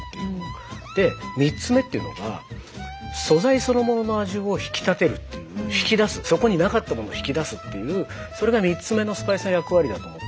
で３つ目っていうのが素材そのものの味を引き立てるっていう引き出すそこになかったものを引き出すっていうそれが３つ目のスパイスの役割だと思っていて。